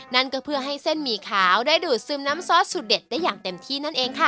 นั่นก็เพื่อให้เส้นหมี่ขาวได้ดูดซึมน้ำซอสสุดเด็ดได้อย่างเต็มที่นั่นเองค่ะ